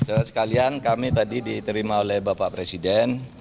saudara sekalian kami tadi diterima oleh bapak presiden